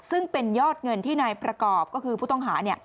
ซึ่งเป็นยอดเงินที่นายประกอบก็คือผู้ต้องหา